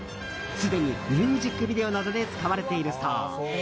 すでにミュージックビデオなどで使われているそう。